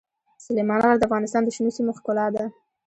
سلیمان غر د افغانستان د شنو سیمو ښکلا ده.